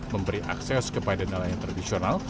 memberi akses kepada nelayan tradisional